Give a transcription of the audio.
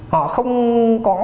họ không có